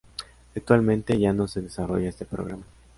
Actualmente ya no se desarrolla este programa.